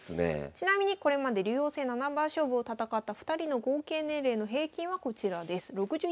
ちなみにこれまで竜王戦七番勝負を戦った２人の合計年齢の平均はこちらです。